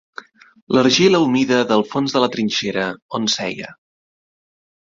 L'argila humida del fons de la trinxera, on seia